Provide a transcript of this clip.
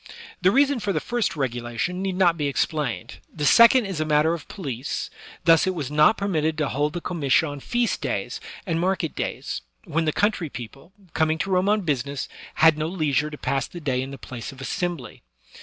The reason for the first regulation need not be ex plained; the second is a matter of police; thus it was not permitted to hold the comitia on feast days and market days, when the country people, coming to Rome on business, had no leisure to pass the day in the place of assembly.